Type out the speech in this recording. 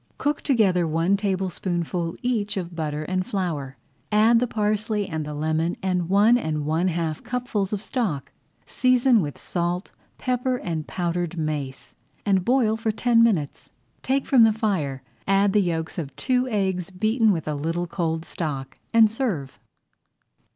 Cook together one tablespoonful each of butter and flour, add the parsley and lemon and one and one half cupfuls of stock. Season with salt, pepper, and powdered mace, and boil for ten minutes. Take from the fire, add the yolks of two eggs beaten with a little cold stock, and serve.